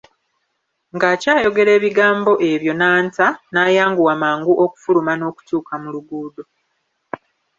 Ng'akyayogera ebigambo ebyo n'anta, n'ayanguwa mangu okufuluma n'okutuuka mu luguudo.